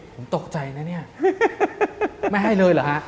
ผมตกใจนะเนี่ยไม่ให้เลยเหรอฮะ